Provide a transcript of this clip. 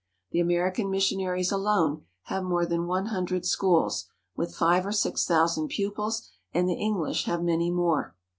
The American missionaries alone have more than one hundred schools, with five or six thousand pupils, and the English have many more.